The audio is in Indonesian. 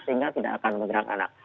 sehingga tidak akan menyerang anak